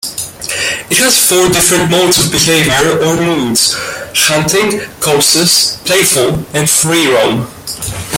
It has four different modes of behavior or moods: hunting, cautious, playful, and free-roam.